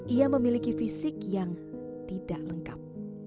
ia memiliki fisik yang tidak lengkap